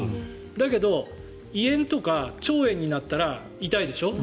だけど、胃炎とか腸炎になったら痛いでしょ。